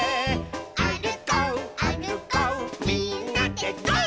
「あるこうあるこうみんなでゴー！」